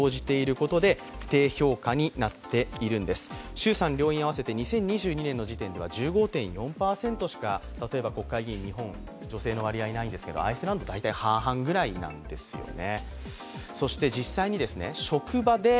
衆参両院を合わせて２０２２年の時点で１５．４％しか国会議員、日本の女性の割合はないんですけどアイスランドは大体、半々くらいなんですよね。